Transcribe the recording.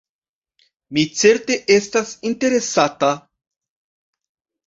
Mi certe estas interesata.